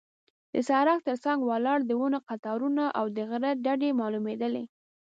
د سړک تر څنګ ولاړ د ونو قطارونه او د غره ډډې معلومېدلې.